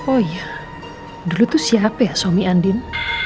oh iya dulu tuh siapa ya suami andin